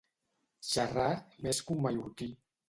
Xerrar més que un mallorquí.